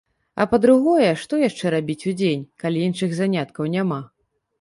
А па-другое, што яшчэ рабіць удзень, калі іншых заняткаў няма?